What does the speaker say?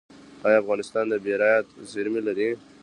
آیا افغانستان د بیرایت زیرمې لري؟